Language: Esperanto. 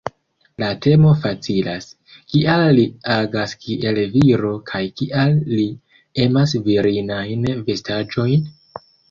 La temo facilas: kial li agas kiel viro kaj kial li emas virinajn vestaĵojn?